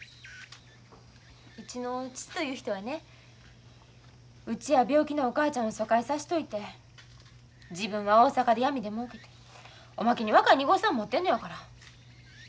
うちの父という人はねうちや病気のお母ちゃんを疎開さしといて自分は大阪でやみでもうけておまけに若い二号さん持ってんのやから。